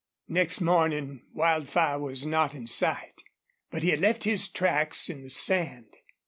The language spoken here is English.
Next morning Wildfire was not in sight, but he had left his tracks in the sand.